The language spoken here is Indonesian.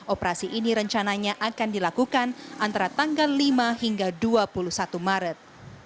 operasi ini rencananya akan dilakukan antara tanggal lima hingga dua puluh satu maret